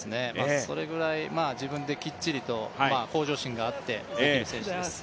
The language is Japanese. それぐらい自分でしっかりと向上心がある選手です。